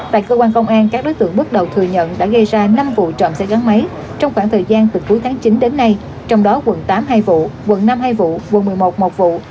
tại cơ quan công an các đối tượng bước đầu thừa nhận đã gây ra năm vụ trộm xe gắn máy trong khoảng thời gian từ cuối tháng chín đến nay trong đó quận tám hai vụ quận năm hai vụ quận một mươi một một vụ